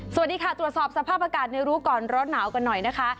สวัสดีค่ะตรวจสอบสภาพอากาศในรู้ก่อนร้อนหนาวกันหน่อยนะคะ